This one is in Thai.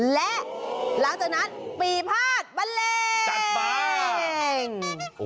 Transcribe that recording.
และหลังจากนั้นปีภาคบะเร็ง